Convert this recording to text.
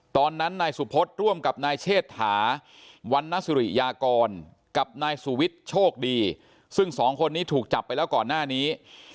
ตอนนั้นนายสุพธร่วมกับนายเชษฐาวันนสิริยากรกับนายสุวิทย์โชคดีซึ่งสองคนนี้ถูกจับไปแล้วก่อนหน้านี้